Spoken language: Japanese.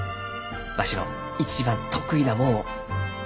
わしの一番得意なもんをつぎ込む！